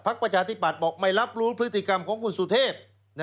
ประชาธิบัติบอกไม่รับรู้พฤติกรรมของคุณสุเทพ